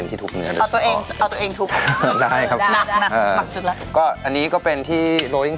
นี่ผมว่าดีนะมันเป็นการแบบระบายอารมณ์เนอะทางหนึ่ง